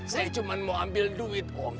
saya cuma mau ambil duit